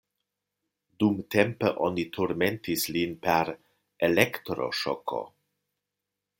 Dumtempe oni turmentis lin per elektro-ŝoko.